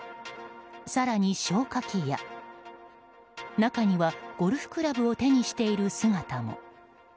更に消火器や、中にはゴルフクラブを手にしている姿も。